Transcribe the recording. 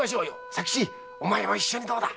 佐吉お前も一緒にどうだ？